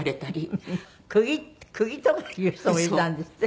「釘」「釘」とか言う人もいたんですって？